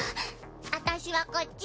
私はこっち。